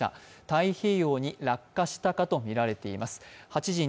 太平洋に落下したかとみられています。